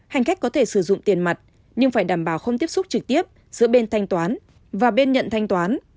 hành khách có thể sử dụng tiền mặt nhưng phải đảm bảo không tiếp xúc trực tiếp giữa bên thanh toán và bên nhận thanh toán